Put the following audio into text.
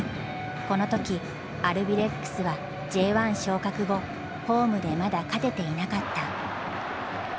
この時アルビレックスはＪ１昇格後ホームでまだ勝てていなかった。